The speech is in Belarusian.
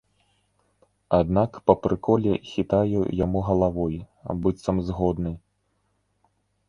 Аднак па прыколе хітаю яму галавой, быццам згодны.